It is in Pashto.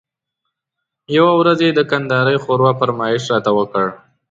یوه ورځ یې د کندارۍ ښوروا فرمایش راته وکړ.